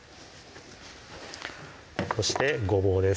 そしてごぼうです